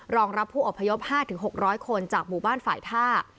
รองรับผู้อพยพ๕๖๐๐คนจากหมู่บ้านฝ่ายท่า